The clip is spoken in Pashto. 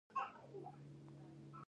د میرمنو کار د ښځو باور لوړوي.